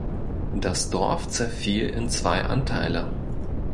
Das Dorf zerfiel in zwei Anteile.